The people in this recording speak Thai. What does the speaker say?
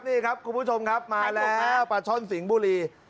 นี่ครับคุณผู้ชมครับมาแล้วปลาช่อนสิงห์บุรี